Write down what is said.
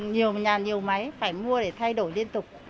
nhiều nhà nhiều máy phải mua để thay đổi liên tục